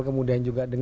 kemudian juga dengan